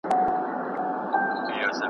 ویل وایه که ریشتیا در معلومیږي .